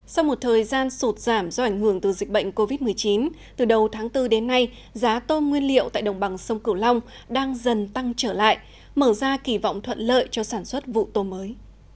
sau một thời gian sụt giảm do ảnh hưởng từ dịch bệnh covid một mươi chín từ đầu tháng bốn đến nay giá tôm nguyên liệu tại đồng bằng sông cửu long đang dần tăng trở lại mở ra kỳ vọng thuận lợi cho sản xuất vụ tôm mới